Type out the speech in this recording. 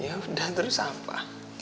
ya udah terus apa